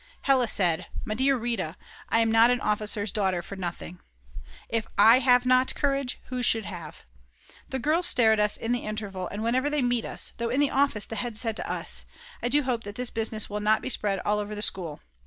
Hella said: "My dear Rita, I'm not an officer's daughter for nothing;" if I have not courage, who should have? The girls stare at us in the interval and whenever they meet us, though in the office the head said to us: "I do hope that this business will not be spread all over the school."